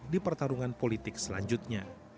di pertarungan politik selanjutnya